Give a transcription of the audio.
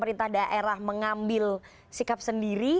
pemerintah daerah mengambil sikap sendiri